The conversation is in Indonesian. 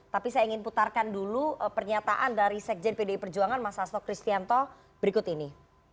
tapi saya ingin putarkan dulu pernyataan dari sekjen pdi perjuangan mas hasto kristianto berikut ini